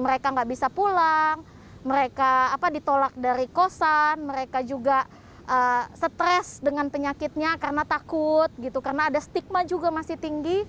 mereka nggak bisa pulang mereka ditolak dari kosan mereka juga stres dengan penyakitnya karena takut karena ada stigma juga masih tinggi